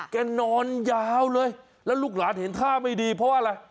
แกนอนยาวเลยแล้วลูกหลานเห็นท่าไม่ดีเพราะว่าอะไร